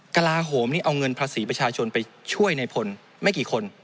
กระลาโหมนี่เอาเงินภาษีประชาชนไปช่วยในพลไม่กี่คน